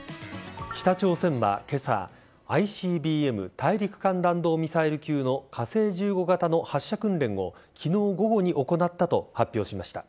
北朝鮮は今朝、ＩＣＢＭ＝大陸間弾道ミサイル級の火星１５型の発射訓練を昨日午後に行ったと発表しました。